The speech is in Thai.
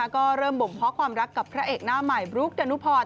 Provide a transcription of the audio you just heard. ก็เริ่มบ่มเพาะความรักกับพระเอกหน้าใหม่บลุกดานุพร